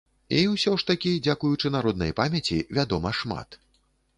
І ўсё ж такі, дзякуючы народнай памяці, вядома шмат.